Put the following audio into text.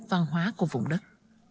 văn hóa của vùng đất